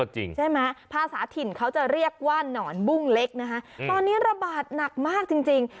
ใช่ไหมภาษาถิ่นเขาจะเรียกว่าหนอนบุ้งเล็กนะคะตอนนี้ระบาดหนักมากจริง